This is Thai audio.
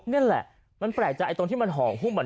นั่นแหละมันแปลกใจตรงที่มันห่อหุ้ม